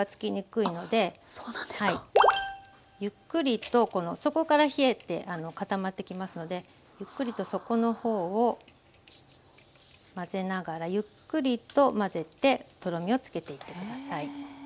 ゆっくりとこの底から冷えて固まってきますのでゆっくりと底の方を混ぜながらゆっくりと混ぜてとろみをつけていって下さい。